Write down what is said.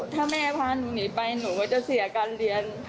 ถ้าแม่พาหนูหนีไปหนูก็จะเสียการเรียน